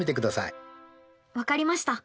分かりました。